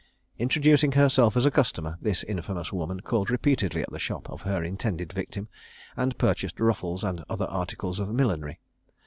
Introducing herself as a customer, this infamous woman called repeatedly at the shop of her intended victim, and purchased ruffles and other articles of millinery.